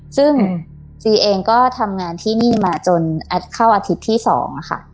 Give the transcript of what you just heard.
ซึ่งจีเองก็ทำงานที่นี่มาจนแอดเข้าอาทิตย์ที่๒ค่ะ